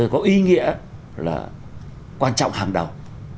có ý nghĩa là quan trọng hàng đầu